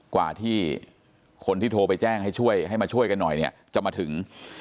กว่าที่คนที่โทรไปแจ้งให้ช่วยให้มาช่วยกันหน่อยเนี่ยจะมาถึง